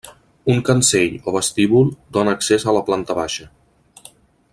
Un cancell o vestíbul dóna accés a la planta baixa.